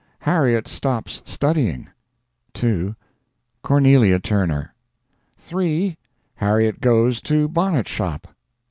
Harriet stops studying. 2. CORNELIA TURNER. 3. Harriet goes to bonnet shop.